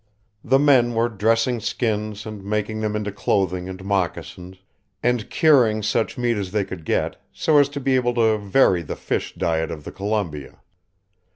The men were dressing skins and making them into clothing and moccasins, and curing such meat as they could get, so as to be able to vary the fish diet of the Columbia.